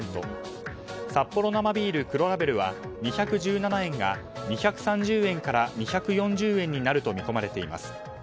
サッポロ生ビール黒ラベルは２１７円が２３０円から２４０円になると見込まれています。